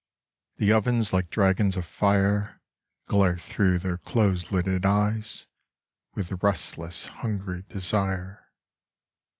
The ovens like dragons of fire Glare thro' their close lidded eyes With restless hungry desire.